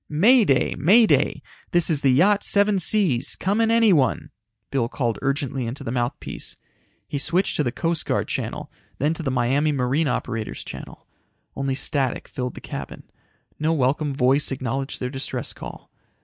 "May Day, May Day! This is the Yacht Seven Seas. Come in anyone!" Bill called urgently into the mouthpiece. He switched to the Coast Guard channel, then to the Miami Marine operators channel. Only static filled the cabin. No welcome voice acknowledged their distress call.